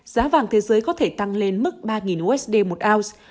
giá vàng thế giới có thể tăng lên mức ba usd một ounce